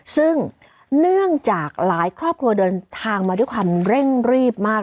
ซึ่งเนื่องจากหลายครอบครัวเดินทางมาด้วยความเร่งรีบมาก